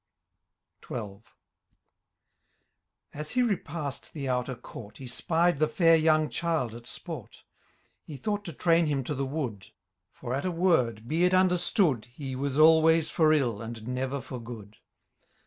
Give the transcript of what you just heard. XII. As he repassed the outer court. He spied the fiur young child at sport : He thought to tmin him to the wood ; For, at a word, be it understood. He was always for ill, and never for good.